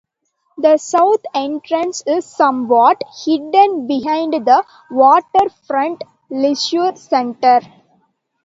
The south entrance is somewhat hidden behind the Waterfront leisure centre.